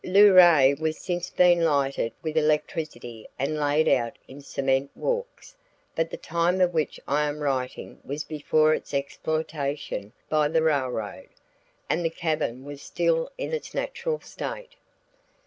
Luray has since been lighted with electricity and laid out in cement walks, but the time of which I am writing was before its exploitation by the railroad, and the cavern was still in its natural state.